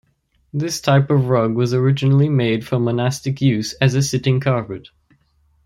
This type of rug was originally made for monastic use as a sitting carpet.